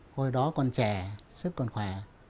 hồi đó còn trẻ sức còn khỏe